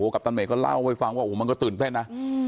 กัปตันเมย์ก็เล่าไว้ฟังว่ามันก็ตื่นเต้นนะ